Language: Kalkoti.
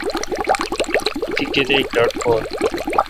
تی کتیک لٹکور؟